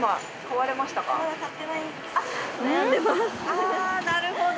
あなるほど。